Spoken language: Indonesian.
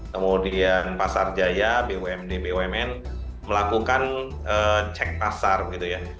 kemudian pasar jaya bumd bumn melakukan cek pasar gitu ya